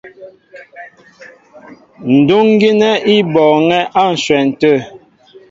Ndúŋ gínɛ́ í bɔɔŋɛ́ á ǹshwɛn tê.